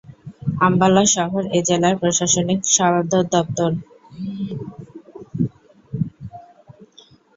আম্বালা শহর এ জেলার প্রশাসনিক সদর দপ্তর।